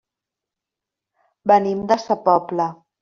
Venim de sa Pobla.